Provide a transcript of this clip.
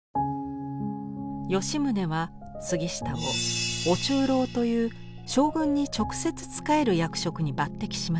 吉宗は杉下を「御中臈」という将軍に直接仕える役職に抜てきします。